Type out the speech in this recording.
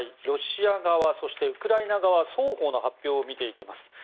ロシア側そしてウクライナ側双方の発表を見ていきます。